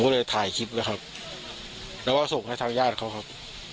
ผมก็เลยถ่ายคลิปด้วยครับและส่งให้ทางญาติเค้าครับ